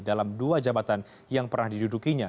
dalam dua jabatan yang pernah didudukinya